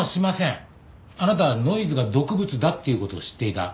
あなたはノイズが毒物だっていう事を知っていた。